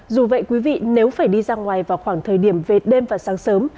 dù vậy quý vị nếu phải đi ra ngoài vào khoảng thời điểm về đêm và sáng sớm